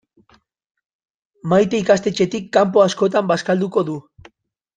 Maite ikastetxetik kanpo askotan bazkalduko du.